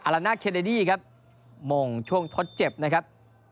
ลาน่าเคเดดี้ครับมงช่วงทดเจ็บนะครับ